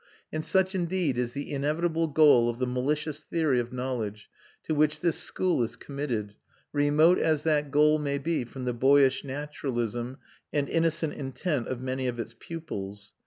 And such indeed is the inevitable goal of the malicious theory of knowledge, to which this school is committed, remote as that goal may be from the boyish naturalism and innocent intent of many of its pupils.